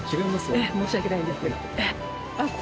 ええ申し訳ないですけど。